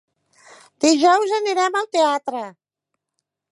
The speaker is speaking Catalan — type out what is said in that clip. Dijous anirem al teatre.